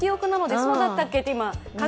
そうだったっけ？と。